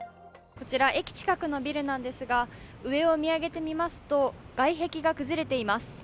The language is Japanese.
こちら駅近くのビルなんですが、上を見上げてみますと、外壁が崩れています。